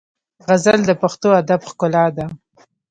غزل د پښتو ادب ښکلا ده.